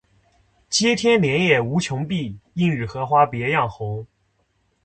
接天莲叶无穷碧，映日荷花别样红。